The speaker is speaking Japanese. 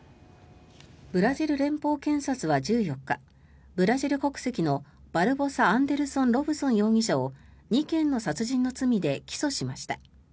ブラジル連邦検察は１４日ブラジル国籍のバルボサ・アンデルソン・ロブソン容疑者を２件の殺人の罪で起訴しました。